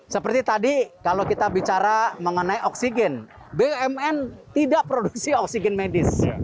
seperti tadi kalau kita bicara mengenai oksigen bumn tidak produksi oksigen medis